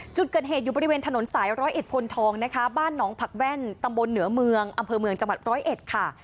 จุดเกิดเหตุอยู่บริเวณถนนสายร้อยเอ็ดพลทองนะคะบ้านหนองผักแว่นตำบลเหนือเมืองอำเภอเมืองจังหวัดร้อยเอ็ดค่ะ